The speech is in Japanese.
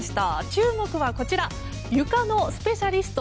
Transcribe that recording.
注目はこちらゆかのスペシャリスト